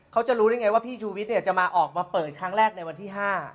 เขาจะรู้ได้ไงว่าพี่ชูวิทย์จะมาออกมาเปิดครั้งแรกในวันที่๕